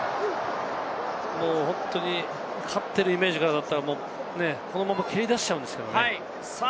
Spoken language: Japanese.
もう本当に勝っているイメージだったら、このまま蹴り出しちゃうんですけれどもね。